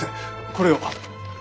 これを。